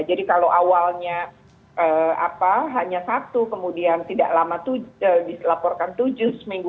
jadi kalau awalnya hanya satu kemudian tidak lama dilaporkan tujuh seminggu